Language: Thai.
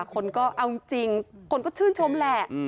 คนก็เอาจริงคนก็ชื่นชมแหละ